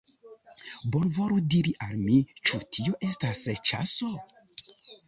Bonvolu diri al mi, ĉu tio estas ĉaso!